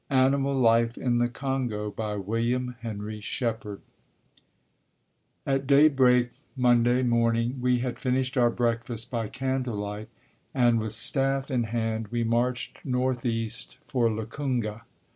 ANIMAL LIFE IN THE CONGO WILLIAM HENRY SHEPPARD At daybreak Monday morning we had finished our breakfast by candle light and with staff in hand we marched northeast for Lukunga.